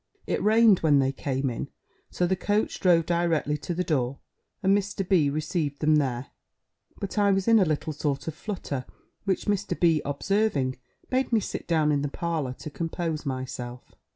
It rained when they came in; so the coach drove directly to the door, and Mr. B. received them there; but I was in a little sort of flutter, which Mr. B. observing, made me sit down in the parlour to compose myself.